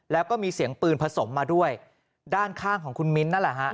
แล้วก็มีเสียงปืนผสมมาด้วยด้านข้างของคุณมิ้นท์นั่นแหละฮะ